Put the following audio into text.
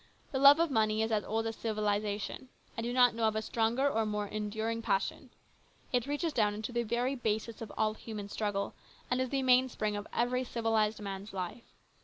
The love of money is as old as civilisation. I do not know of a stronger or more enduring passion. It reaches down into the very basis of all human struggle, and is the mainspring of every civilised man's life.